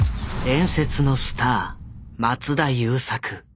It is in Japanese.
伝説のスター松田優作。